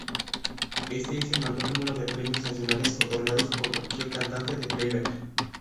Este es el mayor número de premios nacionales otorgados por cualquier cantante de playback.